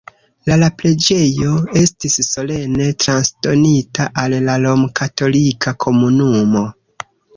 La la preĝejo estis solene transdonita al la romkatolika komunumo.